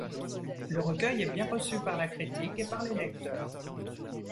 Le recueil est bien reçu par la critique et par les lecteurs.